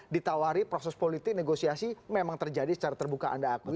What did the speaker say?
ditawari proses politik negosiasi memang terjadi secara terbuka anda akui